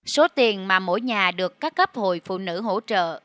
số tiền mà mỗi nhà được các cấp hội phụ nữ hỗ trợ